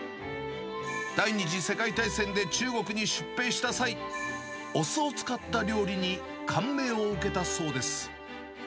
第２次世界大戦で中国に出兵した際、お酢を使った料理に感銘を受けたそうです。